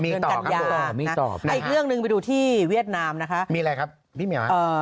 มีต่อกันอย่างก่อนนะอีกเรื่องนึงไปดูที่เวียดนามนะคะมีอะไรครับพี่เหมียวะ